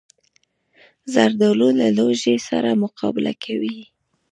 زردالو له لوږې سره مقابله کوي.